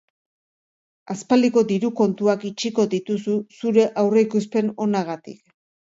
Aspaldiko diru kontuak itxiko dituzu zure aurreikuspen onagatik.